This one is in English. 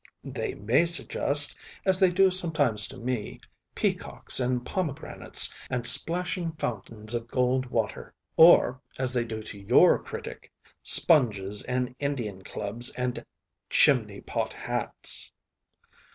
They may suggest, as they do sometimes to me, peacocks and pomegranates and splashing fountains of gold water, or, as they do to your critic, sponges and Indian clubs and chimney pot hats.